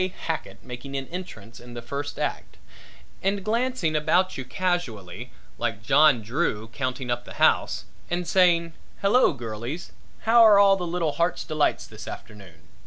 Hackett making an entrance in the first act and glancing about you casually like John Drew counting up the house and saying "Hello girlies, how're all the little Heart's Delights this afternoon?"